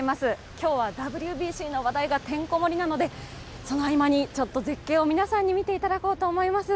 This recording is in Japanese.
今日はＷＢＣの話題がてんこ盛りなのでその合間に絶景を皆さんに見てもらおうと思います。